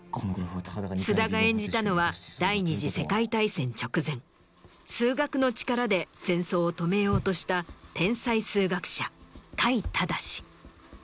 菅田が演じたのは第二次世界大戦直前数学の力で戦争を止めようとした天才数学者櫂直。